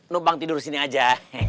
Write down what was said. nupang tidur sini aja